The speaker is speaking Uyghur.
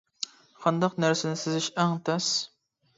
قانداق نەرسىنى سىزىش ئەڭ تەس؟ .